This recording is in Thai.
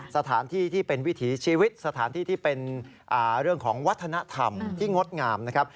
สถานที่ที่เป็นวิถีชีวิตสถานที่ที่เป็นเรื่องของวัฒนธรรมที่งดงามนะครับ